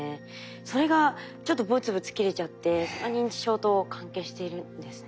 それがちょっとブツブツ切れちゃってそれが認知症と関係しているんですね。